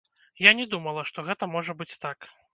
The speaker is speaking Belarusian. Я не думала, што гэта можа быць так.